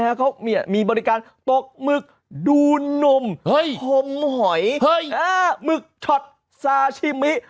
มันชวนคำแบบนี้เลยนะฮะเขามีบริการตกหมึกดูนนมห่มหอยหมึกถอดซาชิมิ